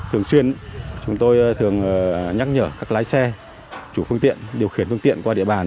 thường xuyên chúng tôi thường nhắc nhở các lái xe chủ phương tiện điều khiển phương tiện qua địa bàn